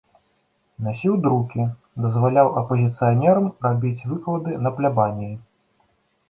Насіў друкі, дазваляў апазіцыянерам рабіць выклады на плябаніі.